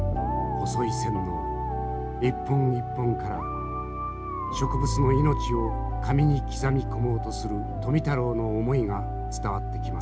細い線の一本一本から植物の命を紙に刻み込もうとする富太郎の思いが伝わってきます。